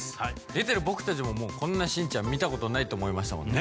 出てるボクたちもこんなしんちゃん見たことないと思いましたもんね。